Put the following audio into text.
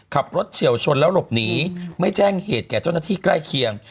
เฉียวชนแล้วหลบหนีไม่แจ้งเหตุแก่เจ้าหน้าที่ใกล้เคียง